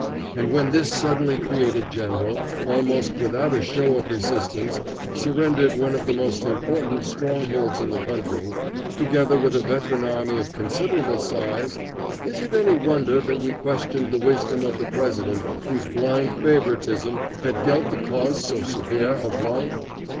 And when this suddenly created general, almost without a show of resistance, surrendered one of the most important strongholds in the country, together with a veteran army of considerable size, is it any wonder that we questioned the wisdom of the president whose blind favoritism had dealt the cause so severe a blow?